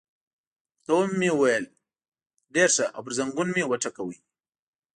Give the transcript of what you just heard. ورته مې وویل: ډېر ښه، او پر زنګون مې وټکاوه.